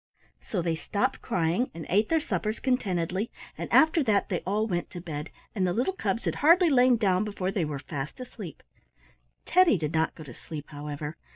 So they stopped crying and ate their suppers contentedly, and after that they all went to bed, and the little cubs had hardly lain down before they were fast asleep. Teddy did not go to sleep, however.